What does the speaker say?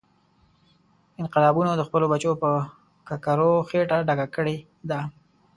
انقلابونو د خپلو بچو په ککرو خېټه ډکه کړې ده.